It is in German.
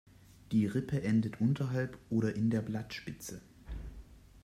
Die Rippe endet unterhalb oder in der Blattspitze.